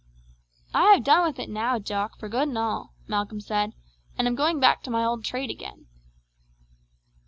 "I have done with it now, Jock, for good and all," Malcolm said, "and am going back to my old trade again."